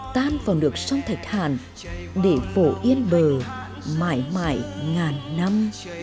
tan vào nước sông thạch hạn để vỗ yên bờ mãi mãi ngàn năm